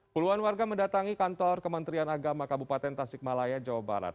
puluhan warga mendatangi kantor kementerian agama kabupaten tasikmalaya jawa barat